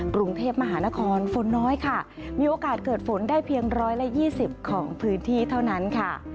กรุงเทพมหานครฝนน้อยค่ะมีโอกาสเกิดฝนได้เพียง๑๒๐ของพื้นที่เท่านั้นค่ะ